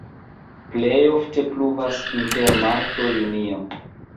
Plej ofte pluvas inter marto-junio.